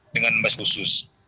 dengan bus khusus